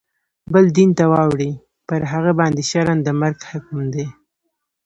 بل دین ته واوړي پر هغه باندي شرعاً د مرګ حکم دی.